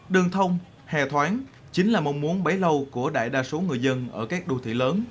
đường thông hề thoáng chính là mong muốn bấy lâu của đại đa số người dân ở các đô thị lớn